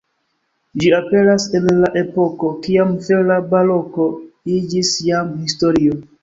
Ĝi aperas en le epoko, kiam vera baroko iĝis jam historio.